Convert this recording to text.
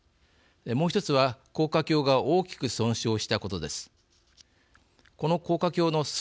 もう１つは高架橋が大きく損傷したことです。